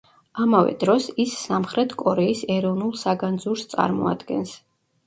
ამავე დროს, ის სამხრეთ კორეის ეროვნულ საგანძურს წარმოადგენს.